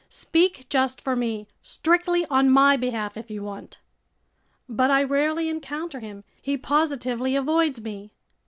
Speak just for me, strictly on my behalf, if you want." "But I rarely encounter him. He positively avoids me."